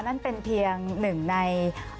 นั่นเป็นเพียงหนึ่งใน